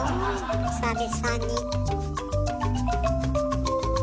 久々に。